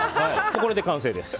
これで完成です。